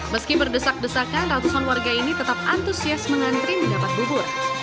meski berdesak desakan ratusan warga ini tetap antusias mengantri mendapat bubur